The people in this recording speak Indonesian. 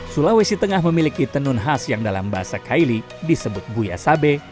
sulawesi tengah memiliki tenun khas yang dalam bahasa kaili disebut buya sabe